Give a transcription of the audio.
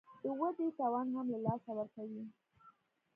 د ودې توان هم له لاسه ورکوي